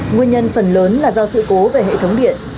nguyên nhân phần lớn là do sự cố về hệ thống điện